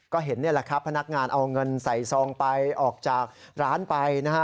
ก็เห็นนี่แหละครับพนักงานเอาเงินใส่ซองไปออกจากร้านไปนะฮะ